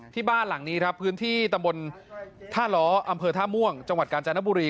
บ้านหลังนี้ครับพื้นที่ตำบลท่าล้ออำเภอท่าม่วงจังหวัดกาญจนบุรี